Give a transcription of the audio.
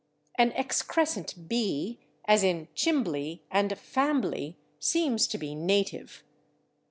An excrescent /b/, as in /chimbley/ and /fambly/, seems to be native.